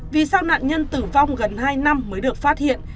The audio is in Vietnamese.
vì sao nạn nhân tử vong gần hai năm mới được phát hiện